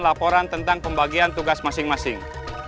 laporan tentang pembagian tugas masing masing